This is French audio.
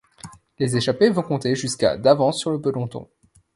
Les échappés vont compter jusqu'à d'avance sur le peloton.